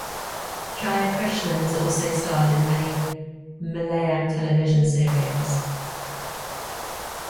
Jayakrishnan has also starred in many Malayalam television serials.